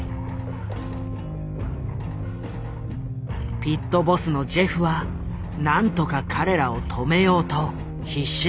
ピットボスのジェフは何とか彼らを止めようと必死だった。